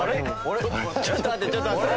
ちょっと待ってちょっと待って。